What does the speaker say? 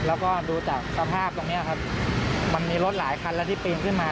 แล้วก็ดูจากสภาพตรงนี้ครับมันมีรถหลายคันแล้วที่ปีนขึ้นมา